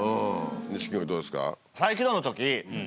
錦鯉どうですか？